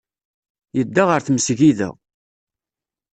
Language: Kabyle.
Yedda ɣer tmesgida.